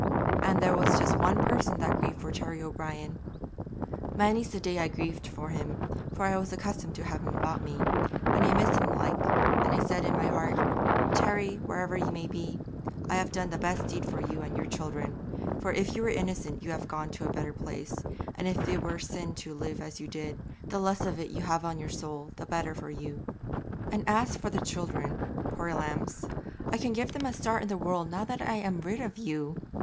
And there was just one person that grieved for Terry O'Brien. Many's the day I grieved for him, for I was accustomed to have him about me, and I missed him like, and I said in my heart, "Terry, wherever ye may be, I have done the best deed for you and your children, for if you were innocent you have gone to a better place, and if it were sin to live as you did, the less of it you have on your soul the better for you; and as for the children, poor lambs, I can give them a start in the world now I am rid of you!"